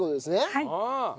はい。